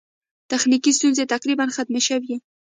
تخنیکي ستونزې تقریباً ختمې شوې.